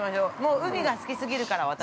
海が好きすぎるから、私。